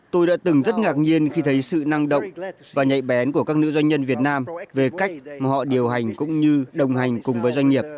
tôi đã từng rất ngạc nhiên khi thấy sự năng động và nhạy bén của các nữ doanh nhân việt nam về cách mà họ điều hành cũng như đồng hành cùng với doanh nghiệp